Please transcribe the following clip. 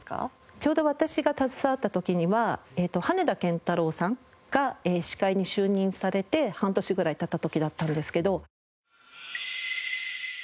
ちょうど私が携わった時には羽田健太郎さんが司会に就任されて半年ぐらい経った時だったんですけど。